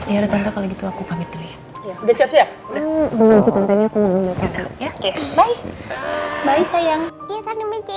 ya udah tante kalau gitu aku pamit dulu ya